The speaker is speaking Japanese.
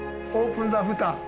オープンザ蓋。